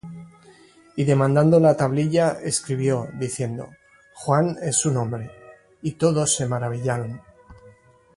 Y demandando la tablilla, escribió, diciendo: Juan es su nombre. Y todos se maravillaron.